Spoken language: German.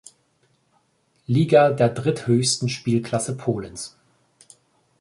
Liga, der dritthöchsten Spielklasse Polens.